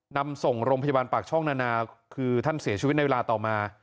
นำส่งโรงพยาบาลปากช่องนานาคือท่านเสียชีวิตในเวลาต่อมา